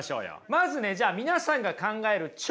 まずねじゃあ皆さんが考えるなるほど。